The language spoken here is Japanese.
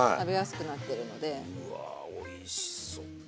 うわおいしそう。